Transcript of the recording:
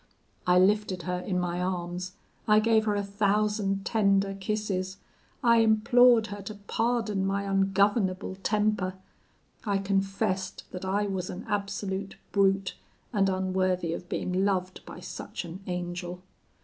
I lifted her in my arms; I gave her a thousand tender kisses; I implored her to pardon my ungovernable temper; I confessed that I was an absolute brute, and unworthy of being loved by such an angel.